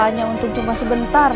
gempa nya untuk cuma sebentar